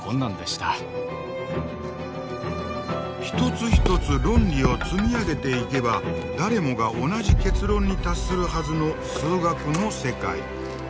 一つ一つ論理を積み上げていけば誰もが同じ結論に達するはずの数学の世界。